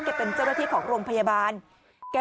ไม่รู้อะไรกับใคร